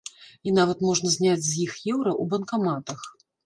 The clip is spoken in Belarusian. І нават можна зняць з іх еўра ў банкаматах.